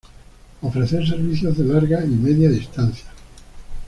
Ofrece servicios de larga y media distancia.